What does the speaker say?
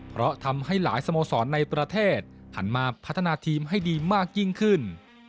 เพราะทำให้หลายสโมสรในประเทศหันมาพัฒนาทีมให้ดีมากยิ่งขึ้น